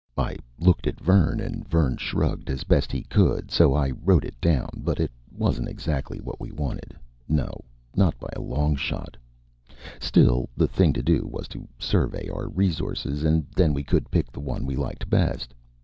I looked at Vern, and Vern shrugged as best he could, so I wrote it down; but it wasn't exactly what we wanted. No, not by a long shot. Still, the thing to do was to survey our resources, and then we could pick the one we liked best.